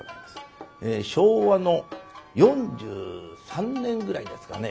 昭和の４３年ぐらいですかね